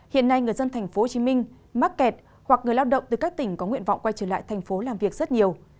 hiện nay người dân tp hcm mắc kẹt hoặc người lao động từ các tỉnh có nguyện vọng quay trở lại thành phố làm việc rất nhiều